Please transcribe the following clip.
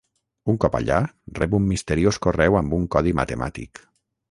Un cop allà, rep un misteriós correu amb un codi matemàtic.